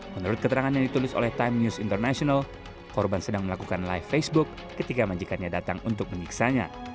menurut keterangan yang ditulis oleh time news international korban sedang melakukan live facebook ketika majikannya datang untuk menyiksanya